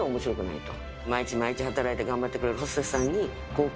毎日毎日働いて頑張ってくれるホステスさんに貢献したいと。